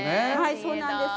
そうなんです。